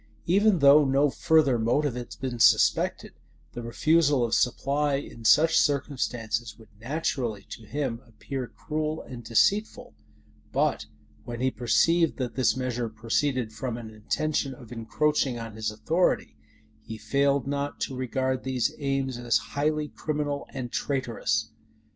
Even though no further motive had been suspected, the refusal of supply in such circumstances would naturally to him appear cruel and deceitful: but when he perceived that this measure proceeded from an intention of encroaching on his authority, he failed not to regard these aims as highly criminal and traitorous.